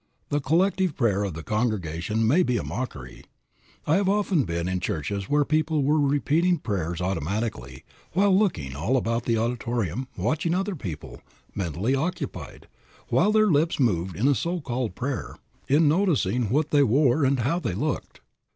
The collective prayer of the congregation may be a mockery. I have often been in churches where people were repeating prayers automatically, while looking all about the auditorium watching other people, mentally occupied, while their lips moved in a so called prayer, in noticing what they wore and how they looked.